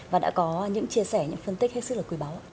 và đã có những chia sẻ những phân tích hết sức là quý báu